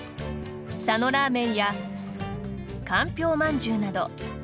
佐野ラーメンやかんぴょうまんじゅうなど